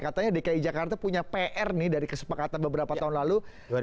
katanya dki jakarta punya pr nih dari kesepakatan beberapa tahun lalu